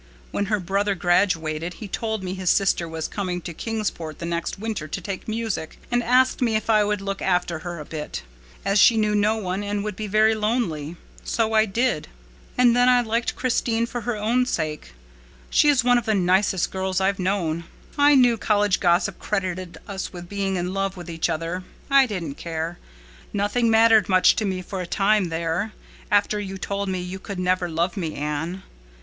When her brother graduated he told me his sister was coming to Kingsport the next winter to take music, and asked me if I would look after her a bit, as she knew no one and would be very lonely. So I did. And then I liked Christine for her own sake. She is one of the nicest girls I've ever known. I knew college gossip credited us with being in love with each other. I didn't care. Nothing mattered much to me for a time there, after you told me you could never love me, Anne.